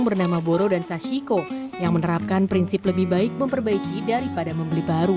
bernama boro dan sashiko yang menerapkan prinsip lebih baik memperbaiki daripada membeli baru